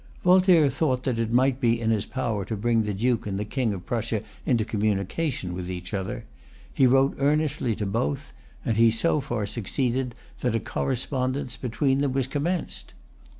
Voltaire thought that it might be in his power to bring the Duke and the King of Prussia into communication with each other. He wrote earnestly to both; and he so far succeeded that a correspondence between them was commenced.